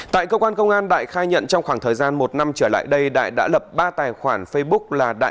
tại cơ quan công an đại khai nhận trong khoảng thời gian một năm trở lại đây đại đã lập ba tài khoản facebook là đại